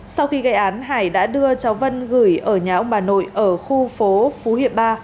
sau khi gây án hải đã đưa cháu vân gửi ở nhà ông bà nội ở khu phố phú hiệp ba